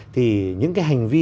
thì những cái hành vi